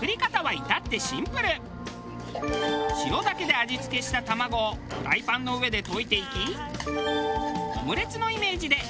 塩だけで味付けした卵をフライパンの上で溶いていき。